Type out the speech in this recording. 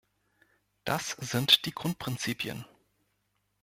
Das sind die Grundprinzipien.